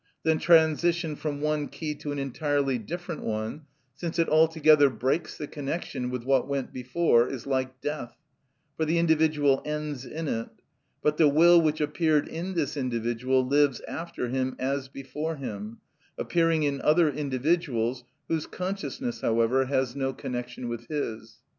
The transition from one key to an entirely different one, since it altogether breaks the connection with what went before, is like death, for the individual ends in it; but the will which appeared in this individual lives after him as before him, appearing in other individuals, whose consciousness, however, has no connection with his.